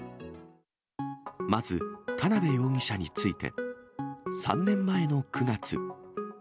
まず田辺容疑者について、３年前の９月。